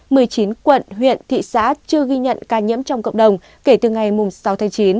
một mươi chín quận huyện thị xã chưa ghi nhận ca nhiễm trong cộng đồng kể từ ngày sáu tháng chín